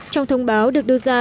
trong thông báo được đưa ra